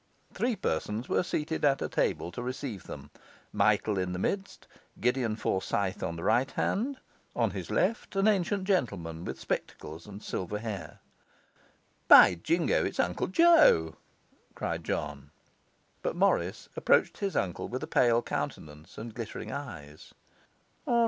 Three persons were seated at a table to receive them: Michael in the midst, Gideon Forsyth on his right hand, on his left an ancient gentleman with spectacles and silver hair. 'By Jingo, it's Uncle Joe!' cried John. But Morris approached his uncle with a pale countenance and glittering eyes.